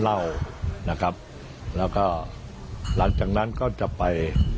เล่านะครับแล้วก็หลังจากนั้นก็จะไป